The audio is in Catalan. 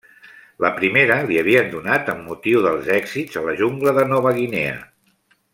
La primera li havien donat amb motiu dels èxits a la jungla de Nova Guinea.